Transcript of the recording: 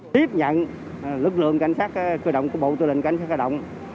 tiếp nhận lực lượng cảnh sát cơ động của bộ tư lệnh cảnh sát cơ động